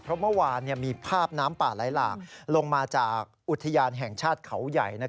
เพราะเมื่อวานมีภาพน้ำป่าไหลหลากลงมาจากอุทยานแห่งชาติเขาใหญ่